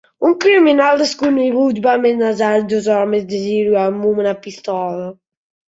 Un criminal desconegut va amenaçar dos homes de Síria amb una pistola.